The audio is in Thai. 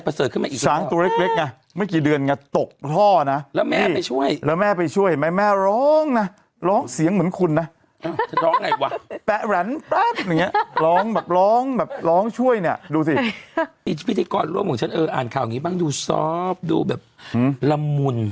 พิธีกรรมของฉันอะอ่านข่าวอย่างงี้มั้งดูซอฟต์ดูแบบละมุน